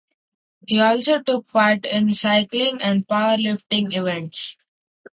He also took part in the cycling and power lifting events.